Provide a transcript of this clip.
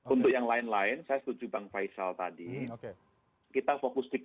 untuk yang lain lain saya setuju bang faisal tadi